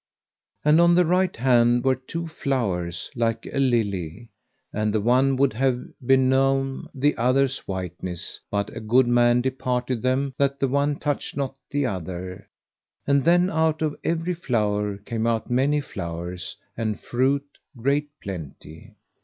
And on the right hand were two flowers like a lily, and the one would have benome the other's whiteness, but a good man departed them that the one touched not the other; and then out of every flower came out many flowers, and fruit great plenty.